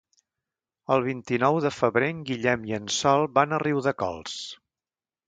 El vint-i-nou de febrer en Guillem i en Sol van a Riudecols.